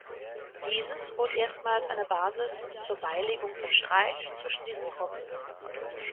Dieses bot erstmals eine Basis zur Beilegung von Streit zwischen diesen Gruppen.